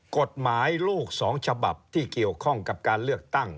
กฎหมายลูก๒ฉบับที่เกี่ยวข้องกับการเลือกตั้ง